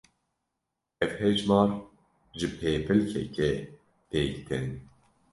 Ev hejmar ji pêpilkekê pêk tên.